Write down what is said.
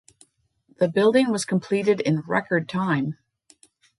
The building was completed in record time.